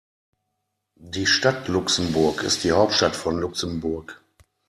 Die Stadt Luxemburg ist die Hauptstadt von Luxemburg.